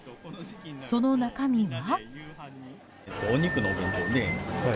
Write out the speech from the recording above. その中身は？